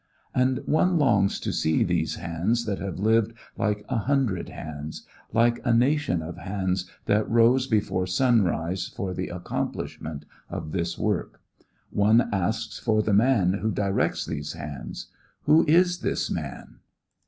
And one longs to see these hands that have lived like a hundred hands; like a nation of hands that rose before sunrise for the accomplishment of this work. One asks for the man who directs these hands. Who is this man?